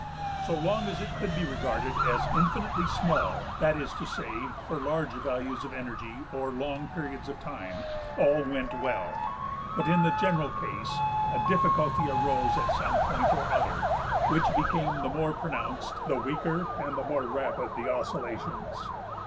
So long as it could be regarded as infinitely small, that is to say for large values of energy or long periods of time, all went well; but in the general case a difficulty arose at some point or other, which became the more pronounced the weaker and the more rapid the oscillations.